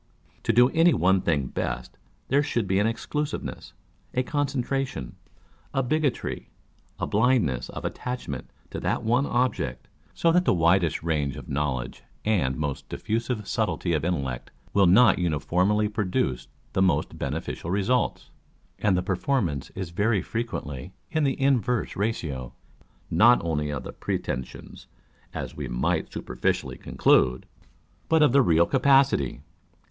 To do any one thing best, there should be an exclusiveness, a concentration, a bigotry, a blindness of attachment to that one object; so that the widest range of knowledge and most diffusive subtlety of intellect will not uniformly produce the most beneficial results ; â€" and the performance is very frequently in the inverse ratio, not only of the pretensions, as we might superficially conclude, but of the real capacity.